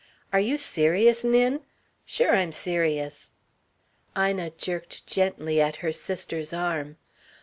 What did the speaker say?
"Are you serious, Nin?" "Sure I'm serious." Ina jerked gently at her sister's arm.